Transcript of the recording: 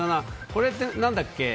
これって何だっけ？